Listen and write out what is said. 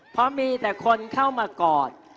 เพราะมีแต่คนเข้ามากอด